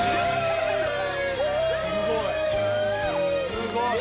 すごい！